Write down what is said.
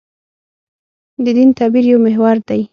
د دین تعبیر یو محور دی.